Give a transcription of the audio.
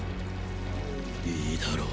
いいだろう